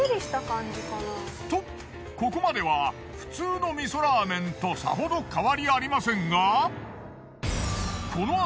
とここまでは普通の味噌ラーメンとさほど変わりありませんが。